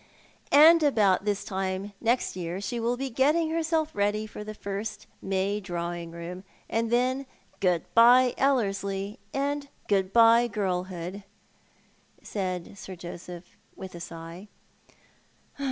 "And about this time next year she will be getting herself ready for the first May Drawing room, and then good bye EUerslie, and good bye girlhood," said Sir Joseph with a sigh.